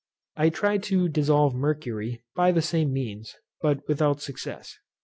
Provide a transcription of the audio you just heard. I tried to dissolve mercury by the same means, but without success.